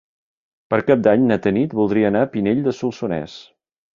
Per Cap d'Any na Tanit voldria anar a Pinell de Solsonès.